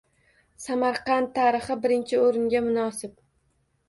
“Samarqand tarixi“ birinchi oʻringa munosib